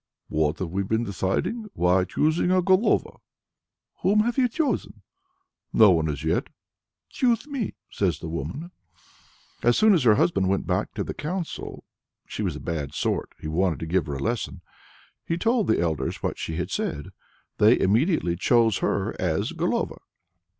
"What have we been deciding? why choosing a Golova." "Whom have you chosen?" "No one as yet." "Choose me," says the woman. So as soon as her husband went back to the council (she was a bad sort; he wanted to give her a lesson) he told the elders what she had said. They immediately chose her as Golova.